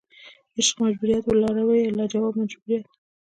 عشق مجبوریت وه لارویه لا جواب مجبوریت